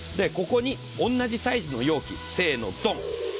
ここに同じサイズの容器せーのドン！